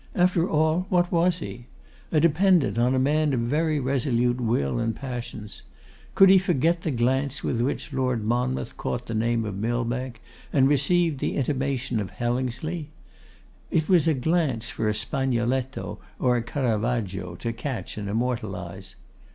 After all, what was he? A dependent on a man of very resolute will and passions. Could he forget the glance with which Lord Monmouth caught the name of Millbank, and received the intimation of Hellingsley? It was a glance for a Spagnoletto or a Caravaggio to catch and immortalise.